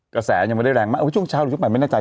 กระแสยังไม่ได้แรงมากช่วงเช้าหรือช่วงใหม่ไม่แน่ใจ